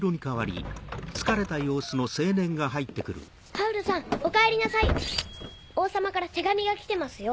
ハウルさんおかえりなさい王様から手紙が来てますよ。